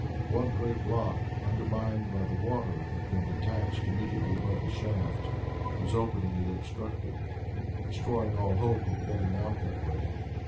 One great block undermined by the water had been detached immediately above the shaft, whose opening it obstructed, destroying all hope of getting out that way.